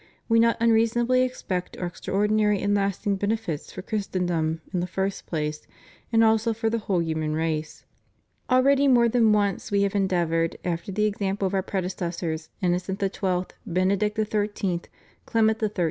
We not unreasonably expect extraordinary and lasting benefits for Christendom in the first place, and also for the whole human race. Already more than once We have endeavored, after the example of Our predecessors Innocent XII., Benedict XIII., Clement XIII.